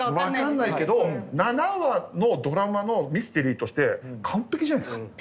分かんないけど７話のドラマのミステリーとして完璧じゃないですか。